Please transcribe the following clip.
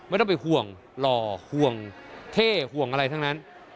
ไม่ต้องไปห่วงหล่อห่วงเท่ห่วงอะไรทั้งนั้น